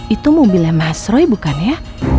itu mobilnya mas roy bukan ya